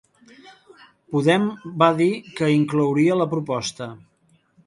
Podem va dir que inclouria la proposta